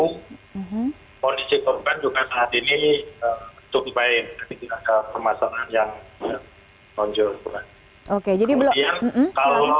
kondisi korban juga saat ini cukup baik tapi tidak ada permasalahan yang nonjol